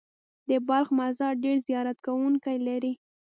د بلخ مزار ډېر زیارت کوونکي لري.